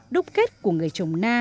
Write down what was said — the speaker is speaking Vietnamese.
đúc kết của người trồng na